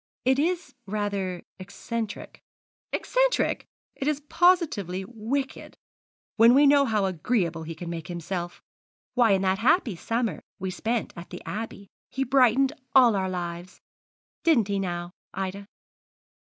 'It is rather eccentric.' 'Eccentric! It is positively wicked, when we know how agreeable he can make himself. Why, in that happy summer we spent at the Abbey he brightened all our lives. Didn't he, now, Ida?'